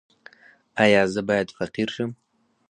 ایا زه باید فقیر شم؟